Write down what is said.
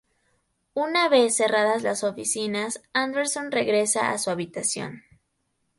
Una vez cerradas las oficinas, Anderson regresa a su habitación.